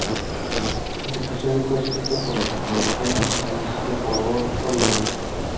El episodio fue escrito por Michael Prince y dirigido por Rob Oliver.